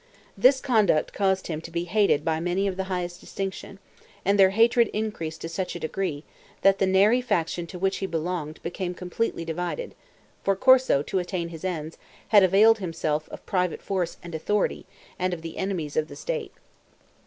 This conduct caused him to be hated by many of the highest distinction; and their hatred increased to such a degree that the Neri faction to which he belonged, became completely divided; for Corso, to attain his ends, had availed himself of private force and authority, and of the enemies of the state.